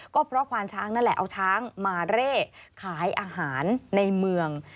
ก็เพราะควานช้างนั่นแหละเอาช้างมาเร่ขายอาหารในเมือง